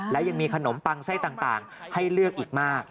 และยังมีขนมปังไส้ต่างให้เลือกอีกมาก